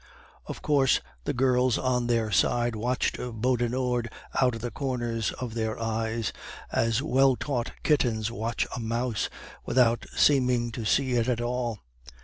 Of course, the girls on their side watched Beaudenord out of the corners of their eyes, as well taught kittens watch a mouse, without seeming to see it at all.